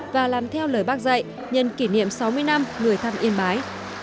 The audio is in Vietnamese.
và làm theo lời bác dạy nhân kỷ niệm sáu mươi năm người thăm yên bái